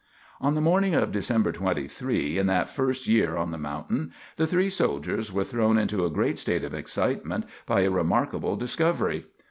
On the morning of December 23 in that first year on the mountain, the three soldiers were thrown into a great state of excitement by a remarkable discovery.